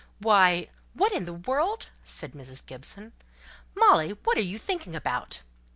"Why, what in the world," said Mrs. Gibson "Molly, what are you thinking about?"